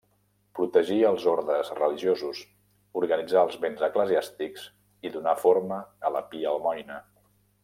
Protegí els ordes religiosos, organitzà els béns eclesiàstics i donà forma a la Pia Almoina.